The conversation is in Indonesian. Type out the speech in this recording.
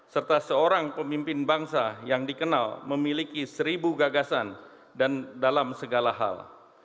serta seorang pemimpin bangsa yang dikenal memiliki seribu gagasan dan dalam segala hal